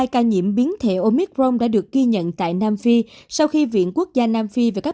hai mươi hai ca nhiễm biến thể omicron đã được ghi nhận tại nam phi sau khi viện quốc gia nam phi về các